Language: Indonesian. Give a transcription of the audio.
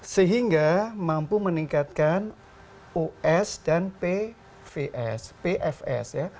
sehingga mampu meningkatkan os dan pfs